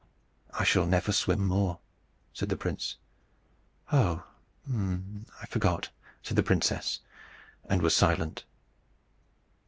"I shall never swim more," said the prince. "Oh, I forgot," said the princess, and was silent.